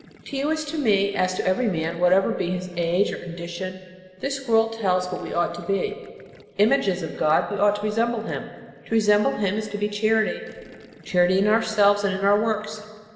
To you as to me, as to every man, whatever be his age or condition, this world tells what we ought to be. Images of God, we should resemble Him. To re semble Him is to be charity, charity in our selves and in our works.